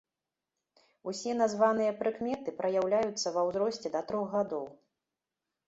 Усе названыя прыкметы праяўляюцца ва ўзросце да трох гадоў.